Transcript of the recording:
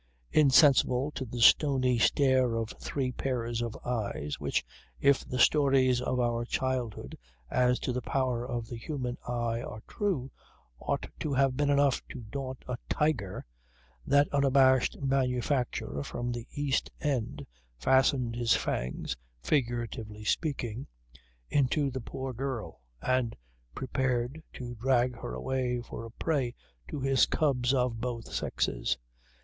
Insensible to the stony stare of three pairs of eyes, which, if the stories of our childhood as to the power of the human eye are true, ought to have been enough to daunt a tiger, that unabashed manufacturer from the East End fastened his fangs, figuratively speaking, into the poor girl and prepared to drag her away for a prey to his cubs of both sexes.